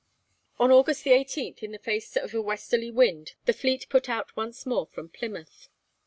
On August 18, in the face of a westerly wind, the fleet put out once more from Plymouth.